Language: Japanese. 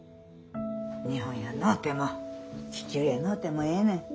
日本やのうても地球やのうてもええねん。